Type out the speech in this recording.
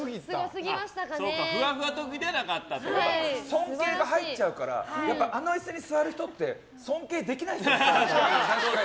尊敬が入っちゃうからあの椅子に座る人って尊敬できないんだよね。